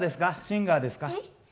シンガーですか？